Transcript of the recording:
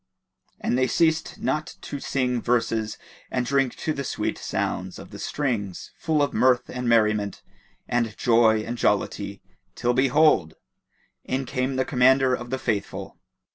And they ceased not to sing verses and drink to the sweet sound of the strings, full of mirth and merriment and joy and jollity till behold! in came the Commander of the Faithful.